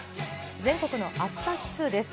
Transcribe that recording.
全国の暑さ指数です。